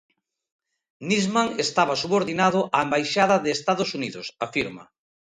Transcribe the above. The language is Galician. Nisman estaba subordinado á embaixada de Estados Unidos, afirma.